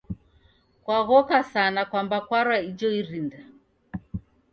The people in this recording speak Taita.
Kwaghoka sana kwamba kwarwa ijo irinda